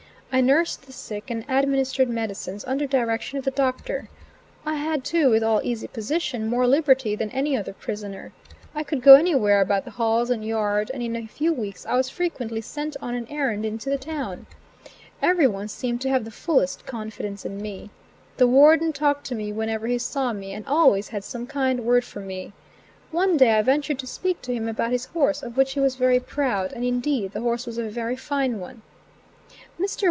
I nursed the sick and administered medicines under direction of the doctor. I had too, with all easy position, more liberty than any other prisoner. I could go anywhere about the halls and yard, and in a few weeks I was frequently sent on an errand into the town. Everyone seemed to have the fullest confidence in me. The Warden talked to me whenever he saw me, and always had some kind word for me. One day I ventured to speak to him about his horse, of which he was very proud, and indeed the horse was a very fine one. Mr.